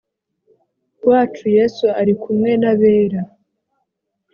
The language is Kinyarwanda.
wacu yesu ari kumwe n abera